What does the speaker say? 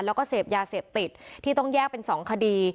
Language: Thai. แล้วก็เสพยาเสพติดที่ต้องแยกเป็น๒คดี